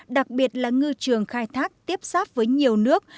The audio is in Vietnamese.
đặc biệt là ngư trường khai thác tiếp sáp với nhiều nước